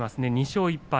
２勝１敗。